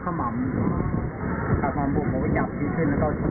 เพราะอุดพวกเขาออกมาก็มันไม่ถึงอันใดดี